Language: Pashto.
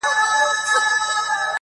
بو ډا تللی دی پر لار د پخوانیو!.